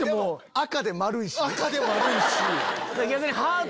赤で丸いし。